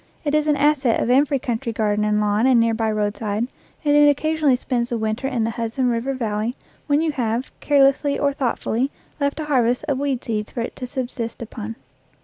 It is an asset of every country garden and lawn and near by roadside, and it occasionally spends the winter in the Hudson River Valley when you have, carelessly or thoughtfully, left a harvest of weed seeds for it to subsist upon.